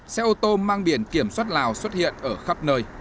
xe ô tô mang biển kiểm soát lào xuất hiện ở khắp nơi